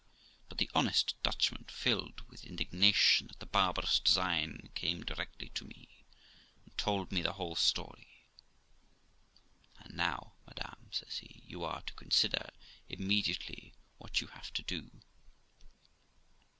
But the honest Dutchman, filled with indignation at the barbarous design, came directly to me, and told me the whole story. 'And now, madam', says he, 'you are to consider immediately what you have to do.'